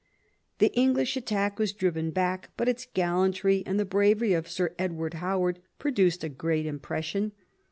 The English attack was driven back ; but its gallantry and the bravery of Sir Edward Howard produced a great impression.